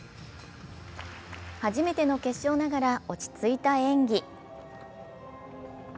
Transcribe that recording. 初めての決勝ながら落ち着いた演技。